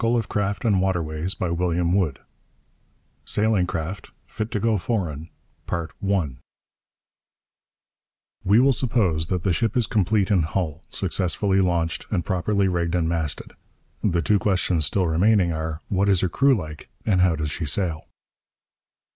CHAPTER VII SAILING CRAFT: 'FIT TO GO FOREIGN' We will suppose that the ship is complete in hull, successfully launched, and properly rigged and masted. The two questions still remaining are: what is her crew like, and how does she sail?